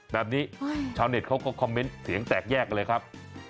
แบบนี้ชาวเน็ตเขาก็คอมเมนต์เสียงแตกแยกกันเลยครับ